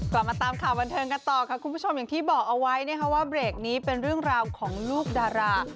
กลับมาตามข่าวบันเทิงกันต่อค่ะคุณผู้ชมอย่างที่บอกเอาไว้นะคะว่าเบรกนี้เป็นเรื่องราวของลูกดารา